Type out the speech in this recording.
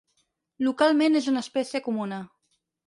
Localment és una espècie comuna.